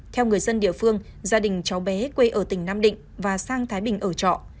theo người dân địa phương gia đình cháu bé quê ở tỉnh nam định và sang thái bình ở trọ